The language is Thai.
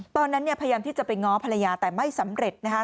ตอนนั้นเนี่ยพยายามที่จะไปง้อภรรยาแต่ไม่สำเร็จนะคะ